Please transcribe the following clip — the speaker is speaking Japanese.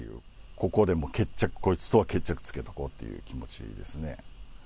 ここでもう、こいつとは決着つけとこうっていう気持ちですね。